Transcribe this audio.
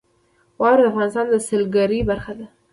واوره د افغانستان د سیلګرۍ برخه ده.